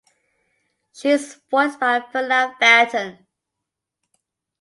She is voiced by Verna Felton.